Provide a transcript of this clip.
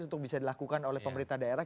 untuk bisa dilakukan oleh pemerintah daerah